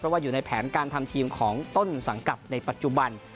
ว่าอยู่ในแผนการทำทีมของต้นสังกัดในปัจจุบัน